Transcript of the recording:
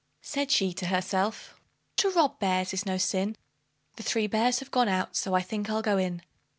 Said she to herself, "To rob bears is no sin; The three bears have gone out, so I think I'll go in."